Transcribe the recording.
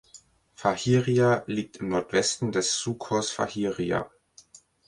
Fahiria liegt im Nordwesten des Sucos Fahiria.